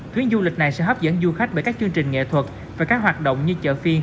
chuyến du lịch này sẽ hấp dẫn du khách bởi các chương trình nghệ thuật và các hoạt động như chợ phiên